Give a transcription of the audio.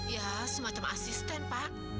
ya semacam asisten pak